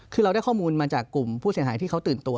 คือเราได้ข้อมูลมาจากกลุ่มผู้เสียหายที่เขาตื่นตัว